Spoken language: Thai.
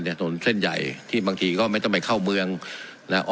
ถนนเส้นใหญ่ที่บางทีก็ไม่ต้องไปเข้าเมืองนะ